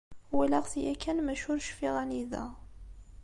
Walaɣ-t yakan maca ur cfiɣ anida.